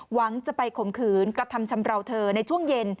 หวังจะไปข่มขืนกระทำชำราวเธอในช่วงเย็น